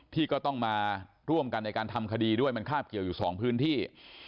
ที่ก็ต้องมาร่วมกันในการทำคดีด้วยมันคาบเกี่ยวอยู่สองพื้นที่